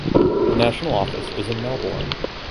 The national office is in Melbourne.